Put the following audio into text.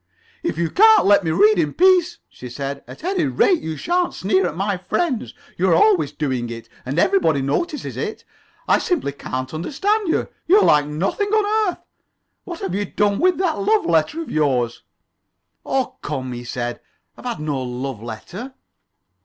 "If you can't let me read in peace," she said, "at any rate, you shan't sneer at my friends. You're always doing it, and everybody notices it. I simply can't understand you. You're like nothing on earth. What have you done with that love letter of yours?" "Oh, come," he said, "I've had no love letter."